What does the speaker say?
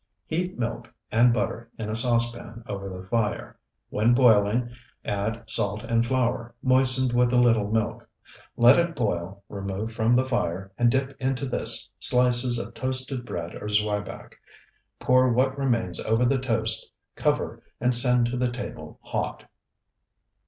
Heat milk and butter in a saucepan over the fire; when boiling, add salt and flour, moistened with a little milk. Let it boil, remove from the fire, and dip into this slices of toasted bread or zwieback. Pour what remains over the toast, cover, and send to the table hot.